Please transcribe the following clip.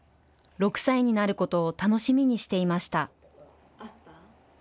６歳になることを楽しみにしていました。